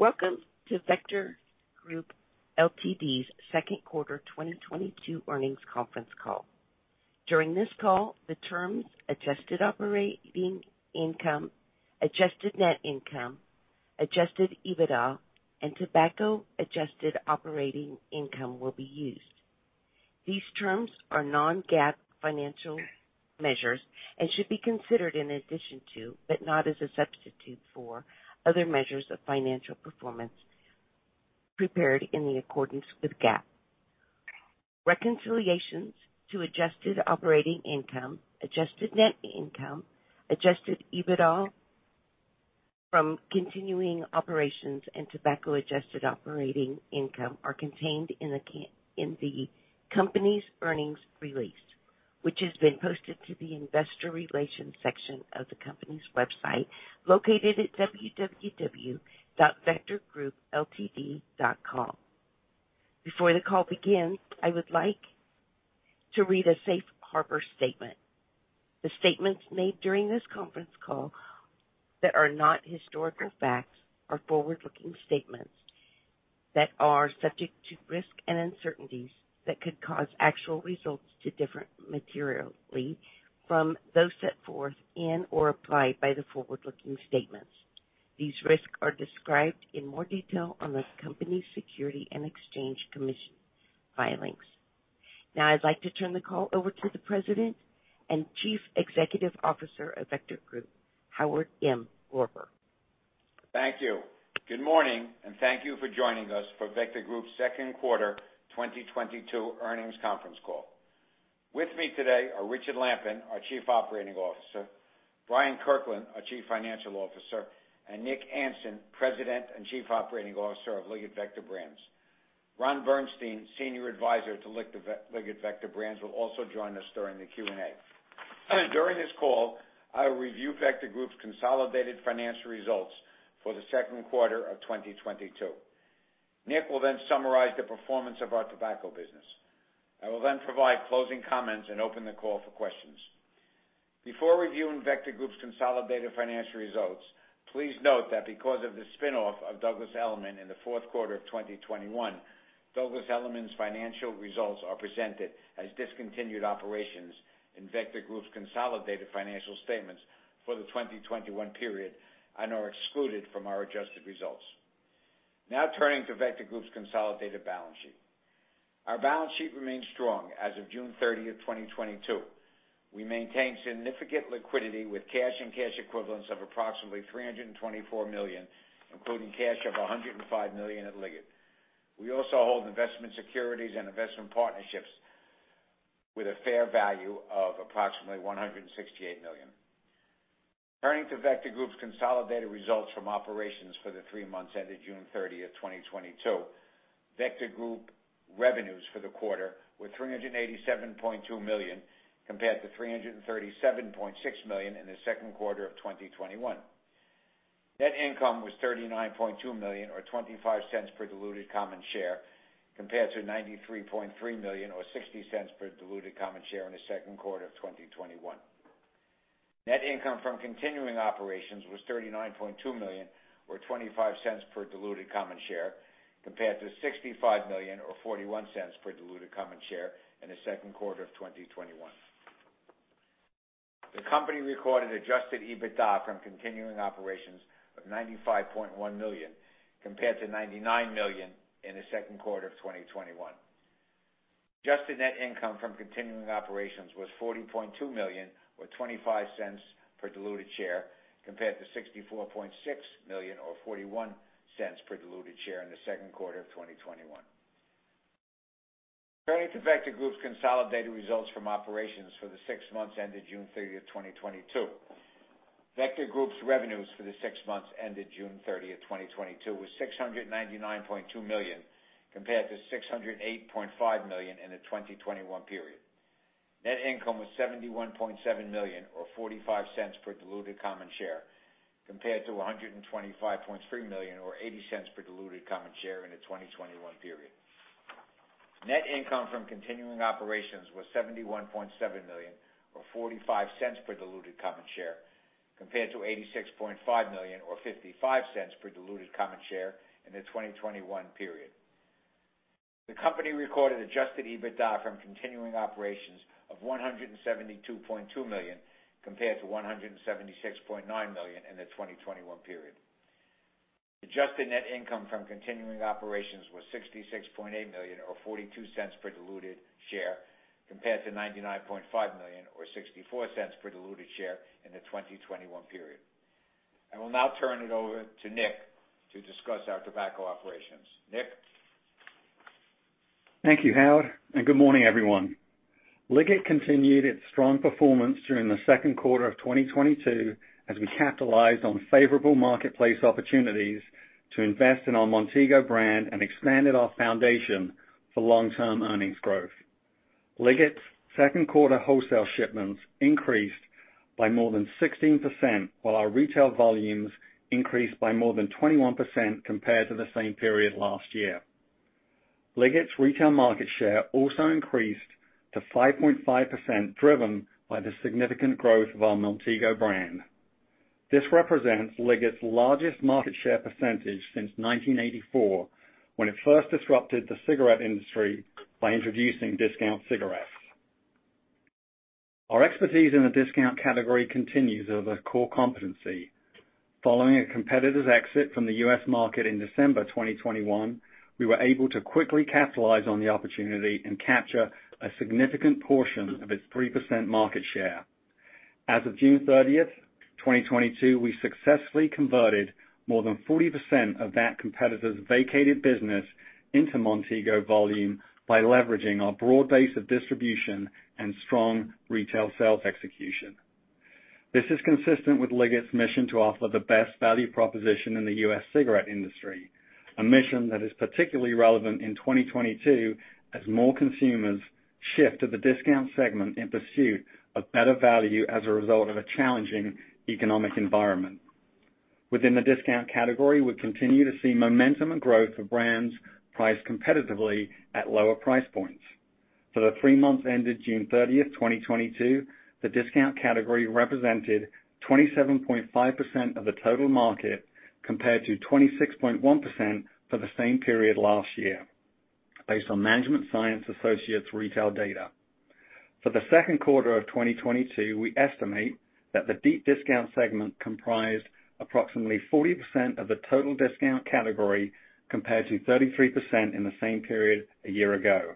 Welcome to Vector Group Ltd's second quarter 2022 earnings conference call. During this call, the terms adjusted operating income, adjusted net income, adjusted EBITDA, and tobacco adjusted operating income will be used. These terms are non-GAAP financial measures and should be considered in addition to, but not as a substitute for other measures of financial performance prepared in accordance with GAAP. Reconciliations to adjusted operating income, adjusted net income, adjusted EBITDA from continuing operations and tobacco adjusted operating income are contained in the company's earnings release, which has been posted to the investor relations section of the company's website, located at www.vectorgroupltd.com. Before the call begins, I would like to read a safe harbor statement. The statements made during this conference call that are not historical facts are forward-looking statements that are subject to risks and uncertainties that could cause actual results to differ materially from those set forth in or applied by the forward-looking statements. These risks are described in more detail on the company's Securities and Exchange Commission filings. Now I'd like to turn the call over to the President and Chief Executive Officer of Vector Group, Howard M. Lorber. Thank you. Good morning, and thank you for joining us for Vector Group's second quarter 2022 earnings conference call. With me today are Richard Lampen, our Chief Operating Officer, Bryant Kirkland, our Chief Financial Officer, and Nick Anson, President and Chief Operating Officer of Liggett Vector Brands. Ron Bernstein, Senior Advisor to Liggett Vector Brands, will also join us during the Q&A. During this call, I will review Vector Group's consolidated financial results for the second quarter of 2022. Nick will then summarize the performance of our tobacco business. I will then provide closing comments and open the call for questions. Before reviewing Vector Group's consolidated financial results, please note that because of the spin-off of Douglas Elliman in the fourth quarter of 2021, Douglas Elliman's financial results are presented as discontinued operations in Vector Group's consolidated financial statements for the 2021 period and are excluded from our adjusted results. Now turning to Vector Group's consolidated balance sheet. Our balance sheet remains strong as of June 30, 2022. We maintain significant liquidity with cash and cash equivalents of approximately $324 million, including cash of $105 million at Liggett. We also hold investment securities and investment partnerships with a fair value of approximately $168 million. Turning to Vector Group's consolidated results from operations for the three months ended June 30, 2022. Vector Group revenues for the quarter were $387.2 million compared to $337.6 million in the second quarter of 2021. Net income was $39.2 million or $0.25 per diluted common share, compared to $93.3 million or $0.60 per diluted common share in the second quarter of 2021. Net income from continuing operations was $39.2 million or $0.25 per diluted common share, compared to $65 million or $0.41 per diluted common share in the second quarter of 2021. The company recorded Adjusted EBITDA from continuing operations of $95.1 million, compared to $99 million in the second quarter of 2021. Adjusted net income from continuing operations was $40.2 million or $0.25 per diluted share, compared to $64.6 million or $0.41 per diluted share in the second quarter of 2021. Turning to Vector Group's consolidated results from operations for the six months ended June 30, 2022. Vector Group's revenues for the six months ended June 30, 2022 was $699.2 million, compared to $608.5 million in the 2021 period. Net income was $71.7 million or $0.45 per diluted common share, compared to $125.3 million or $0.80 per diluted common share in the 2021 period. Net income from continuing operations was $71.7 million or $0.45 per diluted common share, compared to $86.5 million or $0.55 per diluted common share in the 2021 period. The company recorded Adjusted EBITDA from continuing operations of $172.2 million, compared to $176.9 million in the 2021 period. Adjusted Net Income from continuing operations was $66.8 million or $0.42 per diluted share, compared to $99.5 million or $0.64 per diluted share in the 2021 period. I will now turn it over to Nick to discuss our tobacco operations. Nick? Thank you, Howard, and good morning, everyone. Liggett continued its strong performance during the second quarter of 2022 as we capitalized on favorable marketplace opportunities to invest in our Montego brand and expanded our foundation for long-term earnings growth. Liggett's second quarter wholesale shipments increased by more than 16%, while our retail volumes increased by more than 21% compared to the same period last year. Liggett's retail market share also increased to 5.5%, driven by the significant growth of our Montego brand. This represents Liggett's largest market share percentage since 1984, when it first disrupted the cigarette industry by introducing discount cigarettes. Our expertise in the discount category continues as a core competency. Following a competitor's exit from the US market in December 2021, we were able to quickly capitalize on the opportunity and capture a significant portion of its 3% market share. As of June 30, 2022, we successfully converted more than 40% of that competitor's vacated business into Montego volume by leveraging our broad base of distribution and strong retail sales execution. This is consistent with Liggett's mission to offer the best value proposition in the U.S. cigarette industry, a mission that is particularly relevant in 2022 as more consumers shift to the discount segment in pursuit of better value as a result of a challenging economic environment. Within the discount category, we continue to see momentum and growth for brands priced competitively at lower price points. For the three months ended June 30, 2022, the discount category represented 27.5% of the total market, compared to 26.1% for the same period last year, based on Management Science Associates retail data. For the second quarter of 2022, we estimate that the deep discount segment comprised approximately 40% of the total discount category, compared to 33% in the same period a year ago.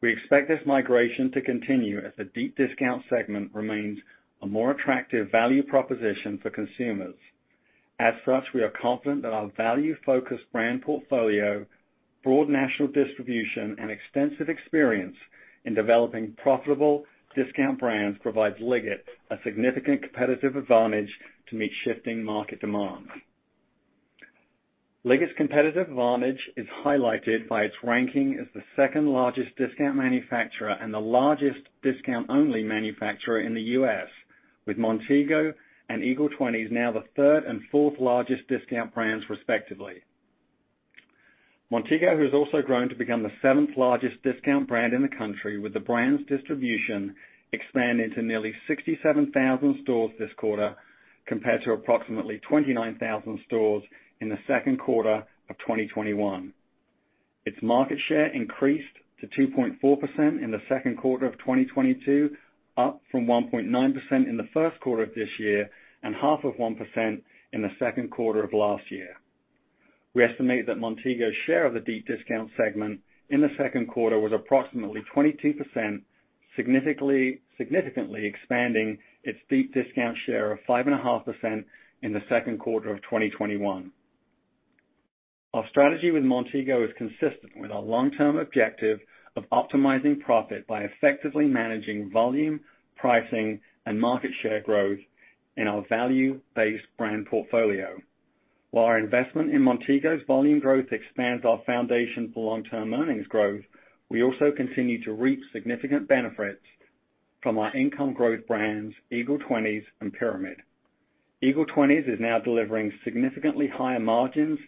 We expect this migration to continue as the deep discount segment remains a more attractive value proposition for consumers. As such, we are confident that our value-focused brand portfolio, broad national distribution, and extensive experience in developing profitable discount brands provides Liggett a significant competitive advantage to meet shifting market demands. Liggett's competitive advantage is highlighted by its ranking as the second-largest discount manufacturer and the largest discount-only manufacturer in the U.S., with Montego and Eagle 20's now the third and fourth largest discount brands, respectively. Montego has also grown to become the seventh largest discount brand in the country, with the brand's distribution expanding to nearly 67,000 stores this quarter, compared to approximately 29,000 stores in the second quarter of 2021. Its market share increased to 2.4% in the second quarter of 2022, up from 1.9% in the first quarter of this year and 0.5% in the second quarter of last year. We estimate that Montego's share of the deep discount segment in the second quarter was approximately 22%, significantly expanding its deep discount share of 5.5% in the second quarter of 2021. Our strategy with Montego is consistent with our long-term objective of optimizing profit by effectively managing volume, pricing, and market share growth in our value-based brand portfolio. While our investment in Montego's volume growth expands our foundation for long-term earnings growth, we also continue to reap significant benefits from our income growth brands, Eagle 20's and Pyramid. Eagle 20's is now delivering significantly higher margins,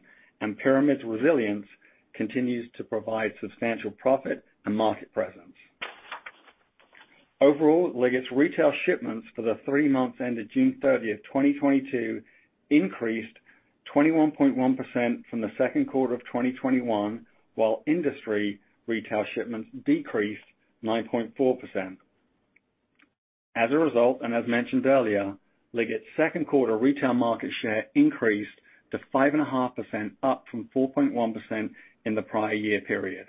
and Pyramid's resilience continues to provide substantial profit and market presence. Overall, Liggett's retail shipments for the three months ended June 30, 2022 increased 21.1% from the second quarter of 2021, while industry retail shipments decreased 9.4%. As a result, and as mentioned earlier, Liggett's second quarter retail market share increased to 5.5%, up from 4.1% in the prior year period.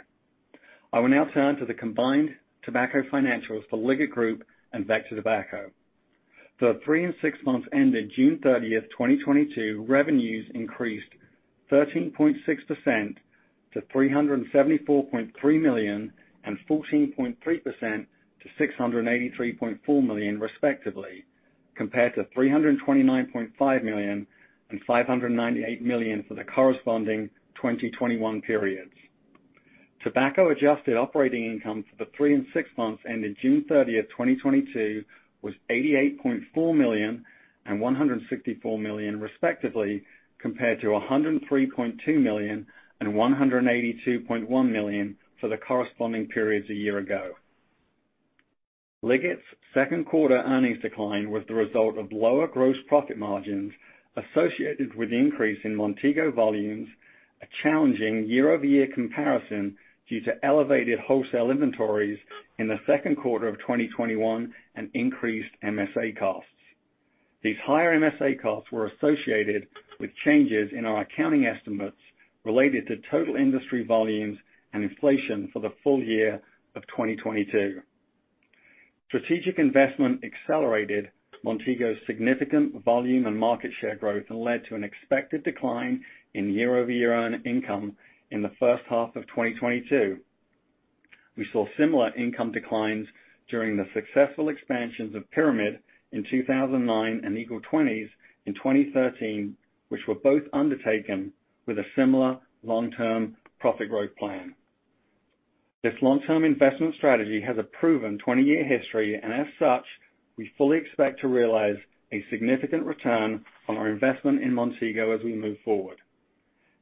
I will now turn to the combined tobacco financials for Liggett Group and Vector Tobacco. For the 3 and 6 months ended June 30, 2022, revenues increased 13.6% to $374.3 million and 14.3% to $683.4 million, respectively, compared to $329.5 million and $598 million for the corresponding 2021 periods. Tobacco Adjusted Operating Income for the 3 and 6 months ended June 30, 2022 was $88.4 million and $164 million, respectively, compared to $103.2 million and $182.1 million for the corresponding periods a year ago. Liggett's second quarter earnings decline was the result of lower gross profit margins associated with the increase in Montego volumes, a challenging year-over-year comparison due to elevated wholesale inventories in the second quarter of 2021, and increased MSA costs. These higher MSA costs were associated with changes in our accounting estimates related to total industry volumes and inflation for the full year of 2022. Strategic investment accelerated Montego's significant volume and market share growth and led to an expected decline in year-over-year operating income in the first half of 2022. We saw similar income declines during the successful expansions of Pyramid in 2009 and Eagle 20's in 2013, which were both undertaken with a similar long-term profit growth plan. This long-term investment strategy has a proven 20-year history, and as such, we fully expect to realize a significant return on our investment in Montego as we move forward.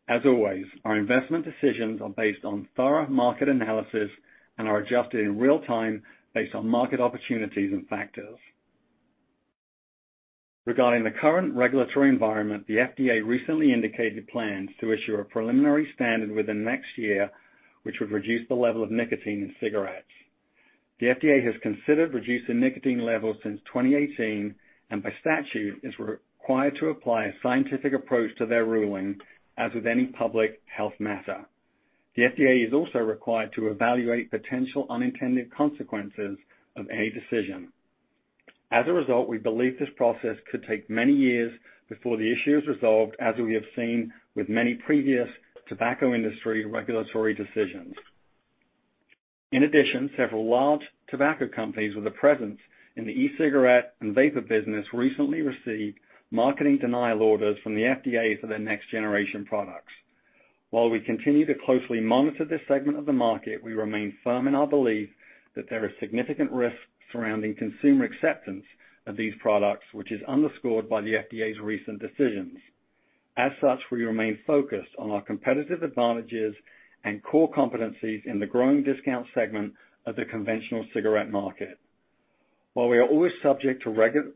As always, our investment decisions are based on thorough market analysis and are adjusted in real time based on market opportunities and factors. Regarding the current regulatory environment, the FDA recently indicated plans to issue a preliminary standard within next year, which would reduce the level of nicotine in cigarettes. The FDA has considered reducing nicotine levels since 2018, and by statute is required to apply a scientific approach to their ruling, as with any public health matter. The FDA is also required to evaluate potential unintended consequences of any decision. As a result, we believe this process could take many years before the issue is resolved, as we have seen with many previous tobacco industry regulatory decisions. In addition, several large tobacco companies with a presence in the e-cigarette and vapor business recently received marketing denial orders from the FDA for their next generation products. While we continue to closely monitor this segment of the market, we remain firm in our belief that there is significant risk surrounding consumer acceptance of these products, which is underscored by the FDA's recent decisions. As such, we remain focused on our competitive advantages and core competencies in the growing discount segment of the conventional cigarette market. While we are always subject to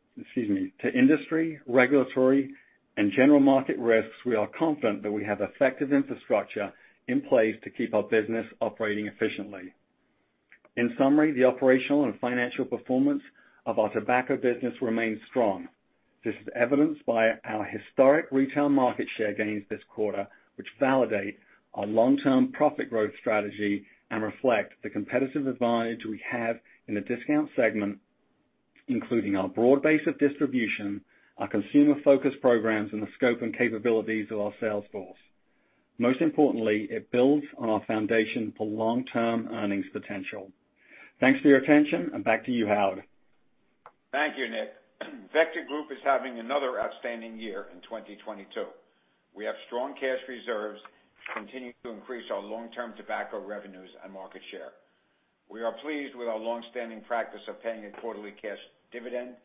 industry, regulatory, and general market risks, we are confident that we have effective infrastructure in place to keep our business operating efficiently. In summary, the operational and financial performance of our tobacco business remains strong. This is evidenced by our historic retail market share gains this quarter, which validate our long-term profit growth strategy and reflect the competitive advantage we have in the discount segment, including our broad base of distribution, our consumer-focused programs, and the scope and capabilities of our sales force. Most importantly, it builds on our foundation for long-term earnings potential. Thanks for your attention, and back to you, Howard. Thank you, Nick. Vector Group is having another outstanding year in 2022. We have strong cash reserves, continuing to increase our long-term tobacco revenues and market share. We are pleased with our long-standing practice of paying a quarterly cash dividend.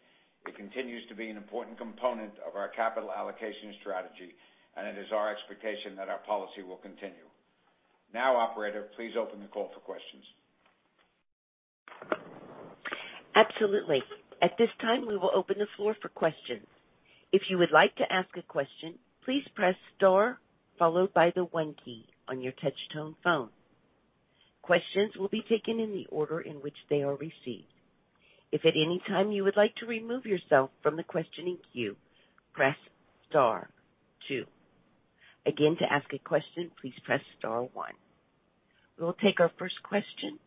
It continues to be an important component of our capital allocation strategy, and it is our expectation that our policy will continue. Now, operator, please open the call for questions. Absolutely. At this time, we will open the floor for questions. If you would like to ask a question, please press star followed by the one key on your touch tone phone. Questions will be taken in the order in which they are received. If at any time you would like to remove yourself from the questioning queue, press star two. Again, to ask a question, please press star one. We will take our first question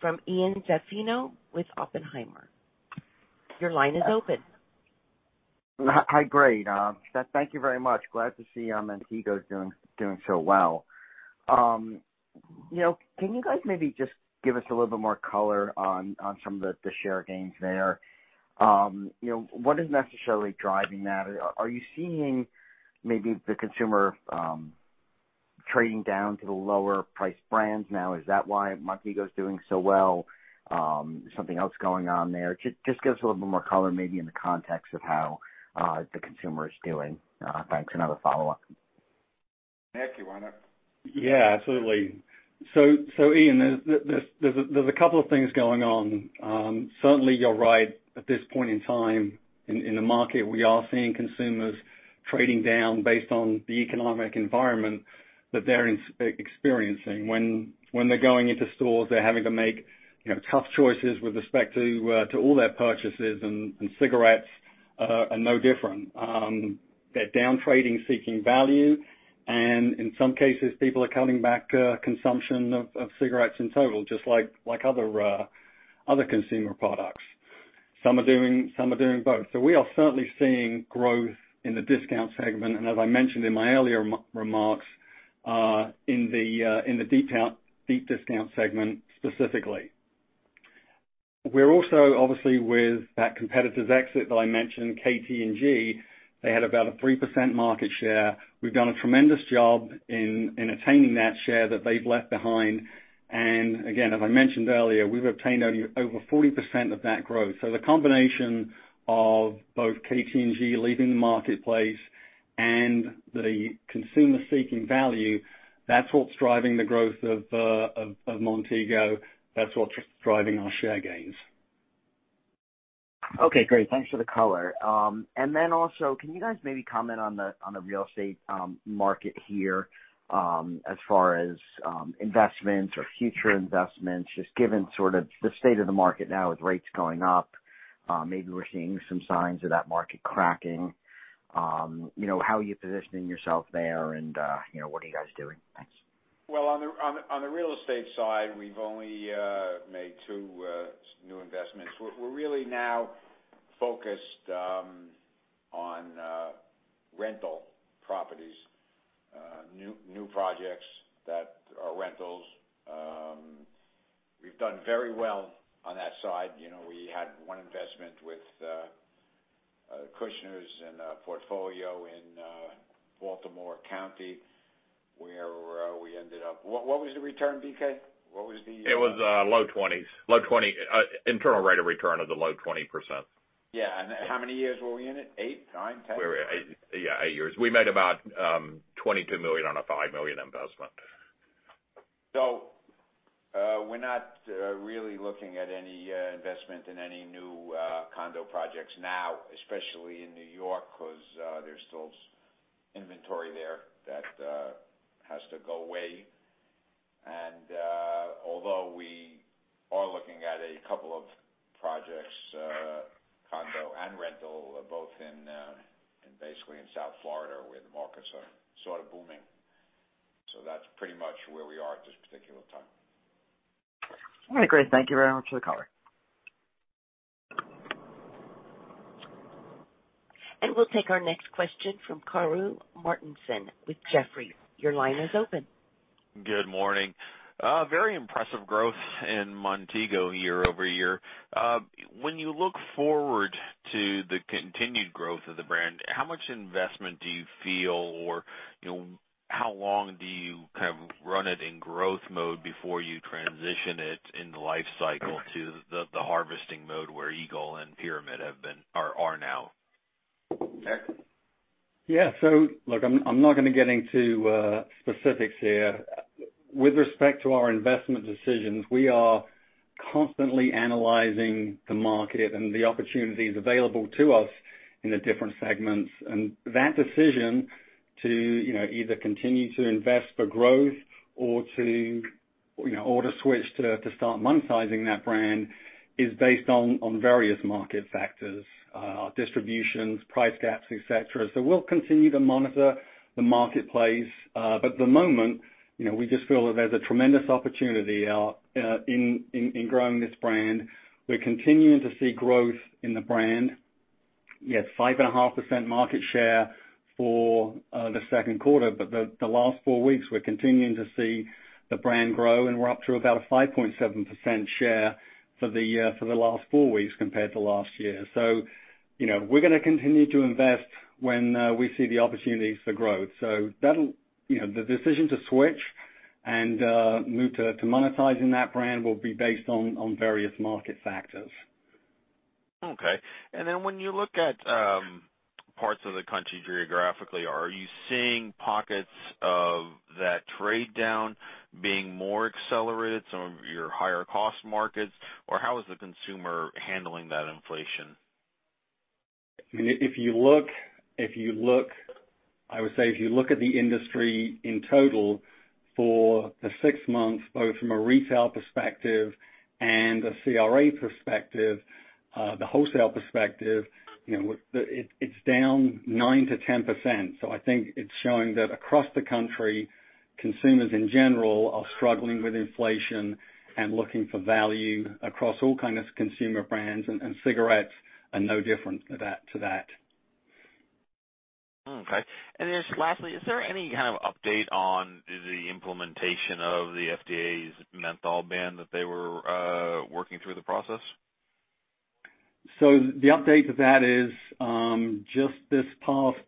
from Ian Zaffino with Oppenheimer. Your line is open. Hi. Great, thank you very much. Glad to see Montego is doing so well. You know, can you guys maybe just give us a little bit more color on some of the share gains there? You know, what is necessarily driving that? Are you seeing maybe the consumer trading down to the lower priced brands now? Is that why Montego is doing so well? Something else going on there? Just give us a little bit more color maybe in the context of how the consumer is doing. Thanks. Another follow-up. Nick, you wanna? Ian, there's a couple of things going on. Certainly you're right at this point in time in the market, we are seeing consumers trading down based on the economic environment that they're experiencing. When they're going into stores, they're having to make, you know, tough choices with respect to all their purchases, and cigarettes are no different. They're down trading, seeking value, and in some cases, people are cutting back consumption of cigarettes in total, just like other consumer products. Some are doing both. We are certainly seeing growth in the discount segment, and as I mentioned in my earlier remarks, in the deep discount segment specifically. We're also obviously with that competitor's exit that I mentioned, KT&G. They had about a 3% market share. We've done a tremendous job in attaining that share that they've left behind. Again, as I mentioned earlier, we've obtained only over 40% of that growth. The combination of both KT&G leaving the marketplace and the consumer seeking value, that's what's driving the growth of Montego. That's what's driving our share gains. Okay, great. Thanks for the color. Then also, can you guys maybe comment on the real estate market here, as far as investments or future investments, just given sort of the state of the market now with rates going up, maybe we're seeing some signs of that market cracking. You know, how are you positioning yourself there and you know, what are you guys doing? Thanks. Well, on the real estate side, we've only made two new investments. We're really now focused on rental properties, new projects that are rentals. We've done very well on that side. You know, we had one investment with Kushner Companies' portfolio in Baltimore County, where we ended up. What was the return, BK? What was the. It was low 20s. Low 20 internal rate of return of the low 20%. Yeah. How many years were we in it? eight, nine, 10? We were eight years. We made about $22 million on a $5 million investment. We're not really looking at any investment in any new condo projects now, especially in New York, 'cause there's still inventory there that has to go away. Although we are looking at a couple of projects, condo and rental, both in basically in South Florida, where the markets are sort of booming. That's pretty much where we are at this particular time. All right, great. Thank you very much for the color. We'll take our next question from Karru Martinson with Jefferies. Your line is open. Good morning. Very impressive growth in Montego year-over-year. When you look forward to the continued growth of the brand, how much investment do you feel, or, you know, how long do you kind of run it in growth mode before you transition it in the life cycle to the harvesting mode where Eagle and Pyramid are now? Nick? Yeah. Look, I'm not gonna get into specifics here. With respect to our investment decisions, we are constantly analyzing the market and the opportunities available to us in the different segments. That decision to, you know, either continue to invest for growth or to, you know, switch to start monetizing that brand is based on various market factors, distributions, price gaps, et cetera. We'll continue to monitor the marketplace. At the moment, you know, we just feel that there's a tremendous opportunity in growing this brand. We're continuing to see growth in the brand. We had 5.5% market share for the second quarter, but the last four weeks, we're continuing to see the brand grow, and we're up to about a 5.7% share for the last four weeks compared to last year. You know, we're gonna continue to invest when we see the opportunities for growth. You know, the decision to switch and move to monetizing that brand will be based on various market factors. Okay. When you look at parts of the country geographically, are you seeing pockets of that trade down being more accelerated, some of your higher cost markets, or how is the consumer handling that inflation? I mean, if you look, I would say if you look at the industry in total for the six months, both from a retail perspective and a CRA perspective, the wholesale perspective, you know, it's down 9%-10%. I think it's showing that across the country, consumers in general are struggling with inflation and looking for value across all kinds of consumer brands, and cigarettes are no different to that. Okay. Just lastly, is there any kind of update on the implementation of the FDA's menthol ban that they were working through the process? The update to that is, just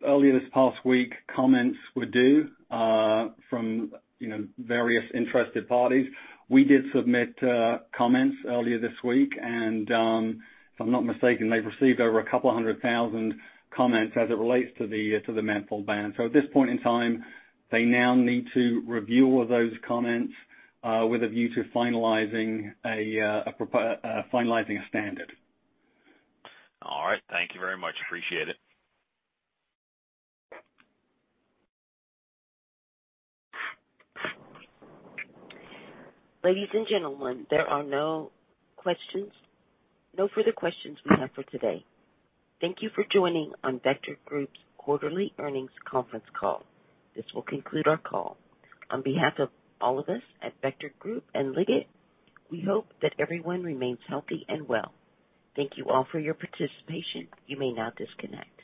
earlier this past week, comments were due from, you know, various interested parties. We did submit comments earlier this week, and if I'm not mistaken, they've received over 200,000 comments as it relates to the menthol ban. At this point in time, they now need to review all those comments with a view to finalizing a standard. All right. Thank you very much. Appreciate it. Ladies and gentlemen, there are no questions, no further questions we have for today. Thank you for joining on Vector Group's quarterly earnings conference call. This will conclude our call. On behalf of all of us at Vector Group and Liggett, we hope that everyone remains healthy and well. Thank you all for your participation. You may now disconnect. Thank you.